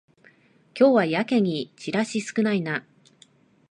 今日はやけにチラシ少ないな